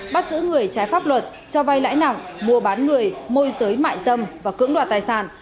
bắt giữ người trái pháp luật cho vay lãi nặng mua bán người môi giới mại dâm và cưỡng đoạt tài sản